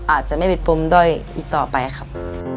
อาจจะไม่เป็นปมด้อยอีกต่อไปครับ